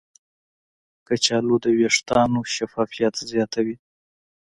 کچالو د ویښتانو شفافیت زیاتوي.